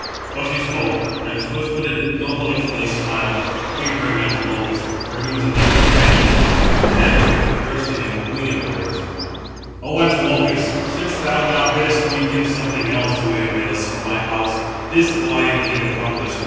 Thus he spoke; and swift footed, noble Achilles smiled, favouring Antilochus, for he was a dear companion to him; and, answering, addressed to him winged words: "O Antilochus, since thou now biddest me give something else to Eumelus from my house, this will I indeed accomplish.